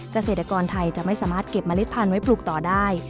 เกษตรกรไทยจะไม่สามารถเก็บเมล็ดพันธุ์ไว้ปลูกต่อได้